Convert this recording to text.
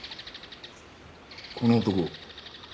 この男。